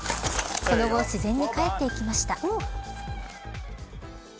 その後、自然に帰ってきました。